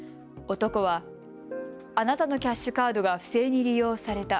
男はあなたのキャッシュカードが不正に利用された。